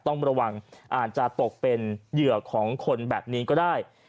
ต้องระวังอาจจะตกเป็นเหยื่อของคนแบบนี้ก็ได้